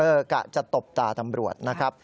กะจะตบตาตำรวจนะครับ